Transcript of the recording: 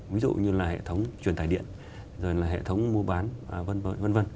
ví dụ như là hệ thống truyền tài điện rồi là hệ thống mua bán v v